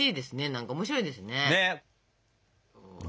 何か面白いですね。